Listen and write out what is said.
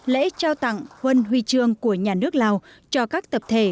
lễ trao tặng huân huy trương của nhà nước lào cho các tập thể